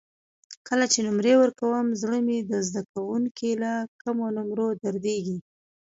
کله چې نمرې ورکوم زړه مې د زده کوونکو له کمو نمرو دردېږي.